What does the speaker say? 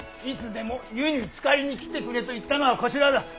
いつでも湯につかりに来てくれと言ったのはこちらだ。